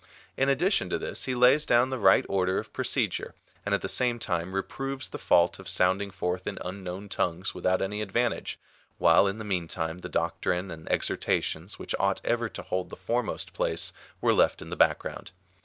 In addition to this, he lays down the right order of procedure, and at the same time reproves the fault of sound ing forth in unknown tongues without any advantage, while in the meantime the doctrine and exhortations, which ought ever to hold the foremost place, were left in the background.